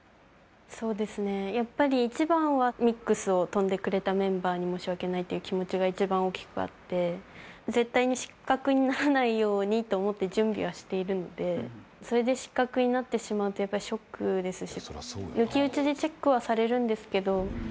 そうですね、やっぱり一番はミックスを飛んでくれたメンバーに申し訳ないという気持ちが一番大きくあって、絶対に失格にならないようにと思って準備はしているので、それで失格になってしまうと、やっぱりショックですし、抜き打ちでチェックはされるんですけど。